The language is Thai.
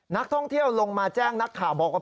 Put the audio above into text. นักท่องเที่ยวลงมาแจ้งนักข่าวบอกว่า